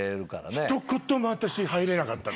一言も私入れなかったの。